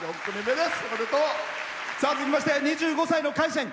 続きまして２５歳の会社員。